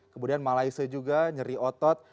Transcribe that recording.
kemudian malaise juga nyeri otot